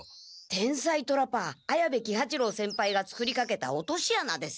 天才トラパー綾部喜八郎先輩が作りかけた落としあなですね。